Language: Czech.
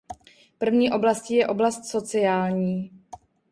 První oblastí je oblast sociální.